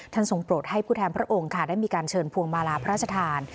ท่านสงโปรดให้ผู้แถมพระองค์ค่ะได้มีการเชิญฟวงมาราพรัชธาน